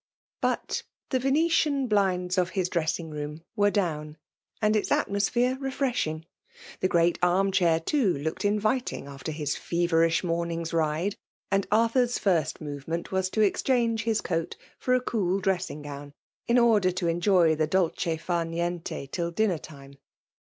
'' But the Venetian blinds of his dressing room were down, and its atmosphere refresh ing. The great arm chair, too, looked in viting after his feverish morning's ride ; and Arthur's first movement was to exchange his coat for a cool dressing gown, in order to enjoy the dolce far niente till dinner time.